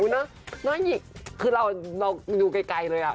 อุ๊ยนะน้าหญิกคือเราอยู่ไกลเลยอ่ะ